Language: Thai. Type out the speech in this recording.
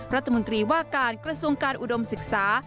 รัฐมนตรีว่าการกระทรวงการอุดมศึกษา